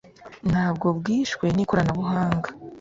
nabwo bwishwe n’ikoranabuhanga